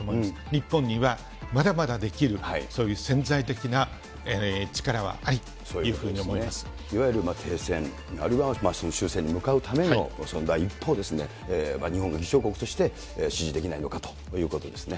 日本には、まだまだできる、そういう潜在的な力はあるといういわゆる停戦、あるいは終戦に向かうためのその第一歩を、日本が議長国として、しじできないのかということですね。